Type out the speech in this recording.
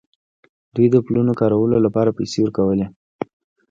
دوی د پلونو کارولو لپاره پیسې ورکولې.